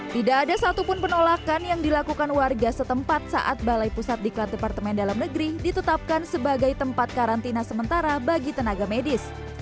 tidak ada satupun penolakan yang dilakukan warga setempat saat balai pusat diklat departemen dalam negeri ditetapkan sebagai tempat karantina sementara bagi tenaga medis